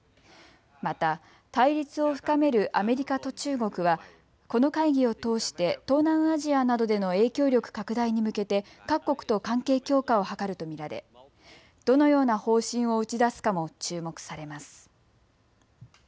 また対立を深めるアメリカと中国はこの会議を通して東南アジアなどでの影響力拡大に向けて各国と関係強化を図ると見られ、どのような方針を打ち出すかも注目されます。